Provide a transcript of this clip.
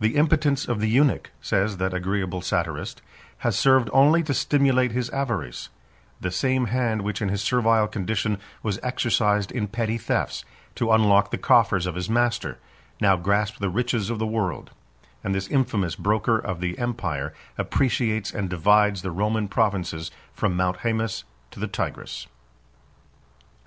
"The impotence of the eunuch," says that agreeable satirist, "has served only to stimulate his avarice: the same hand which in his servile condition, was exercised in petty thefts, to unlock the coffers of his master, now grasps the riches of the world; and this infamous broker of the empire appreciates and divides the Roman provinces from Mount Haemus to the Tigris.